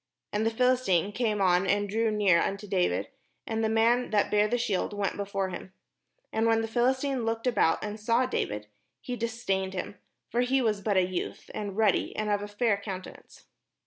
And the Philistine came on and drew near unto David; and the man that bare the shield went before him. And when the Phih'stine looked about, and saw David, he dis dained him : for he was but a youth, and ruddy, and of a fair countenance.